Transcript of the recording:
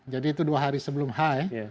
jadi itu dua hari sebelum hai